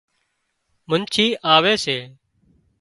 منڇي آوي سي